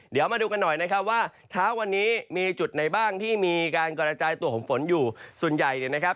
เดี๋ยวมาดูกันหน่อยนะครับว่าเช้าวันนี้มีจุดไหนบ้างที่มีการกระจายตัวของฝนอยู่ส่วนใหญ่เนี่ยนะครับ